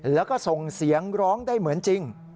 แล้วก็ส่งเสียงร้องได้เหมือนจริง